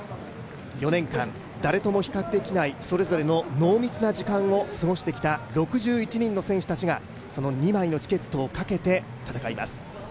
４年間、誰とも比較できないそれぞれの濃密な時間を過ごしてきた６１人の選手たちがその２枚のチケットをかけて戦います。